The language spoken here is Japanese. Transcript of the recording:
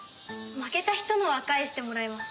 負けた人のは返してもらえます。